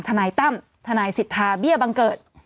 ธนัยสิทธาเบี้ยบังเกิร์ต